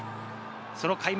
その開幕